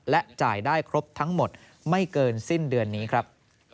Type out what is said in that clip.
และจ่ายได้ครบทั้งหมดไม่เกินสิ้นเดือนนี้ครับ